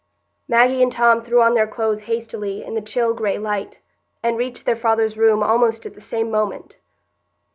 '" Maggie and Tom threw on their clothes hastily in the chill gray light, and reached their father's room almost at the same moment.